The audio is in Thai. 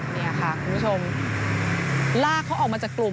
นี่ค่ะคุณผู้ชมลากเขาออกมาจากกลุ่ม